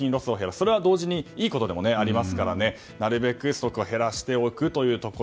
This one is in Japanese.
それは同時にいいことでもありますからなるべく減らしておくというところ。